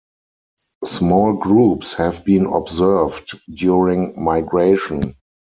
Small groups have been observed during migration.